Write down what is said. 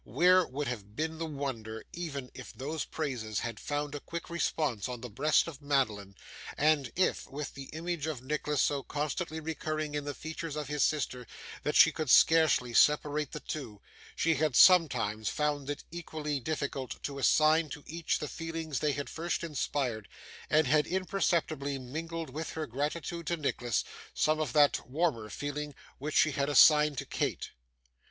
Where would have been the wonder, even, if those praises had found a quick response in the breast of Madeline, and if, with the image of Nicholas so constantly recurring in the features of his sister that she could scarcely separate the two, she had sometimes found it equally difficult to assign to each the feelings they had first inspired, and had imperceptibly mingled with her gratitude to Nicholas, some of that warmer feeling which she had assigned to Kate?